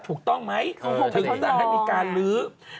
ถูกต้องไหมถึงจะมีการลื้อ